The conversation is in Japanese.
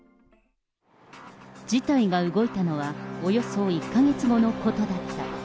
事態が動いたのはおよそ１か月後のことだった。